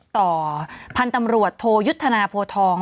พันธุ์ตำรวจโทยุทธนาโพทอง